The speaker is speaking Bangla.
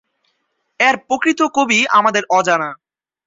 এর প্রকৃত কবি আমাদের অজানা।